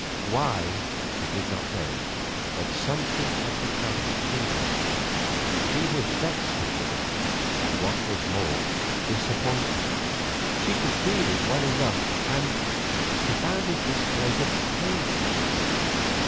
Why, she did not know, but something had come between them; he was vexed with her, and what was more, disappointed; she could feel it well enough, and—she found his displeasure painful.